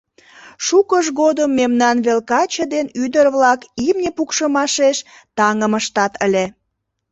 Шукыж годым мемнан вел каче ден ӱдыр-влак имне пукшымашеш таҥым ыштат ыле...